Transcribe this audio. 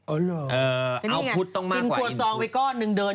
เออหรออื้อเอารอพุทธนะต้องมากกว่าอันนี้ไงกินคั่วซองกับก้อนหนึ่งเดิน